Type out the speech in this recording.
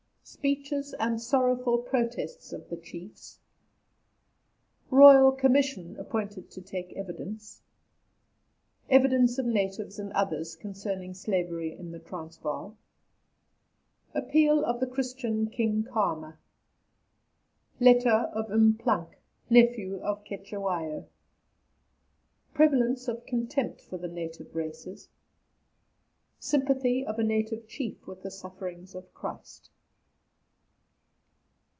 SPEECHES AND SORROWFUL PROTESTS OF THE CHIEFS. ROYAL COMMISSION APPOINTED TO TAKE EVIDENCE. EVIDENCE OF NATIVES AND OTHERS CONCERNING SLAVERY IN THE TRANSVAAL. APPEAL OF THE CHRISTIAN KING KHAMA. LETTER OF M'PLAANK, NEPHEW OF CETEWAYO. PREVALENCE OF CONTEMPT FOR THE NATIVE RACES. SYMPATHY OF A NATIVE CHIEF WITH THE SUFFERINGS OF CHRIST.